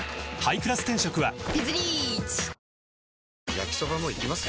焼きソバもいきます？